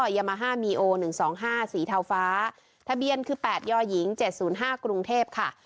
ยามาฮ่ามีโอหนึ่งสองห้าสีเทาฟ้าทะเบียนคือแปดย่อยหญิงเจ็ดศูนย์ห้ากรุงเทพค่ะ